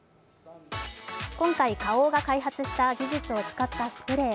今回、花王が開発した技術を使ったスプレー。